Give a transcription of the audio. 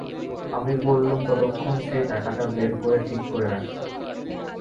আমি বললুম, ততক্ষণ সেই টাকাটা বের করে ঠিক করে রাখি।